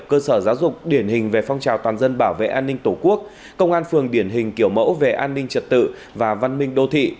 cơ sở giáo dục điển hình về phong trào toàn dân bảo vệ an ninh tổ quốc công an phường điển hình kiểu mẫu về an ninh trật tự và văn minh đô thị